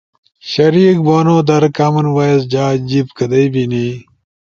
شریک بونو در، کامن وائس جا جیِب کدئی بینی؟